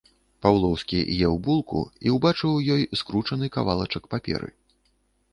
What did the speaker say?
Паўлоўскі еў булку і ўбачыў у ёй скручаны кавалачак паперы.